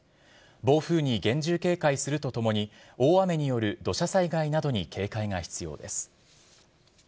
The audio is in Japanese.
暴風に厳重警戒するとともに、大雨による土砂災害などに警戒が必要です。